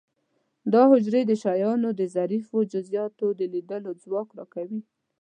دا حجرې د شیانو د ظریفو جزئیاتو د لیدلو ځواک را کوي.